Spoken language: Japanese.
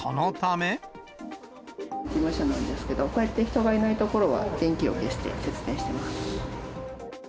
事務所なんですけど、こうやって人がいない所は、電気を消して節電してます。